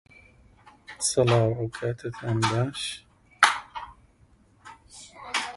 بازاڕی گوندیانم پێ سەیر بوو